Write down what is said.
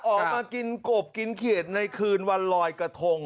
ออกมากินกบกินเขียดในคืนวันลอยกระทง